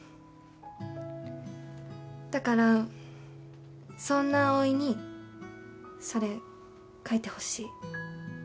だからそんな葵にそれ描いてほしい。